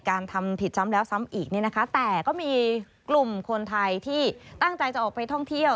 ทำผิดซ้ำแล้วซ้ำอีกเนี่ยนะคะแต่ก็มีกลุ่มคนไทยที่ตั้งใจจะออกไปท่องเที่ยว